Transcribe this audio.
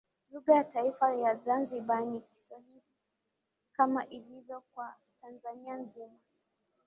Lugha ya taifa ya Zanzibar ni kiswahili Kama ilivyo kwa tanzania nzima